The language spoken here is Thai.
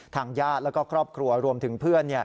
ทางญาติแล้วก็ครอบครัวรวมถึงเพื่อน